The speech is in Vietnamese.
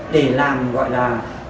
để làm gọi là